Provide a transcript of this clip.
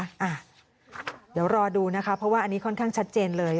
เดี๋ยวรอดูนะคะเพราะว่าอันนี้ค่อนข้างชัดเจนเลย